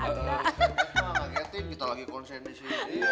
kita kagetin kita lagi konsen di sini